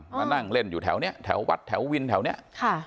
มานั่งเล่นอยู่แถวเนี้ยแถววัดแถววินแถวเนี้ยค่ะ